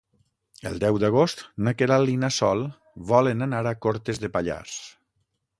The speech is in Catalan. El deu d'agost na Queralt i na Sol volen anar a Cortes de Pallars.